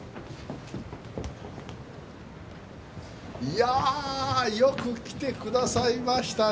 いやよく来てくださいましたね。